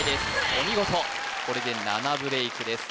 お見事これで７ブレイクです